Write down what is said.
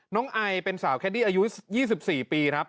ไอเป็นสาวแคนดี้อายุ๒๔ปีครับ